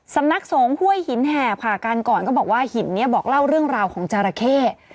สำนักสงฆ์ห้วยหินแหบค่ะการก่อนก็บอกว่าหินนี้บอกเล่าเรื่องราวของจราเข้